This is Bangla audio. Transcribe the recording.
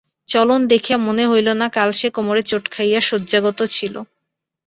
চলন দেখিয়া মনে হইল না কাল সে কোমরে চোট খাইয়া শয্যাগত ছিল।